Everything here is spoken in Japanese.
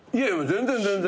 全然全然。